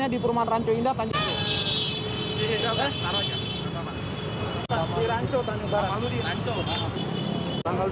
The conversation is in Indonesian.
di rancow tanjung barat